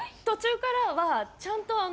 途中からはちゃんと。